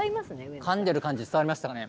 かんでる感じ、伝わりましたかね。